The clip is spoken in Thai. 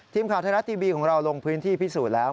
ทีมข่าวไทยรัฐทีวีของเราลงพื้นที่พิสูจน์แล้ว